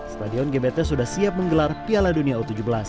stadion gbt sudah siap menggelar piala dunia u tujuh belas